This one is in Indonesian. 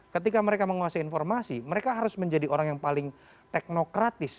ketika mereka menguasai informasi mereka harus menjadi orang yang paling teknokratis